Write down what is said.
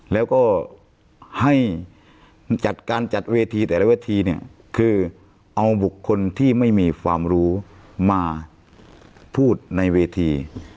แล้วก็ให้จัดการจัดเวทีแต่ละเวทีเนี่ยคือเอาบุคคลที่ไม่มีความรู้มาพูดในเวที